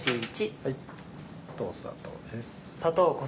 砂糖です。